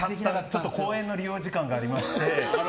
公園の利用時間がありまして。